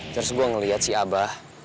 terus gue ngeliat si abah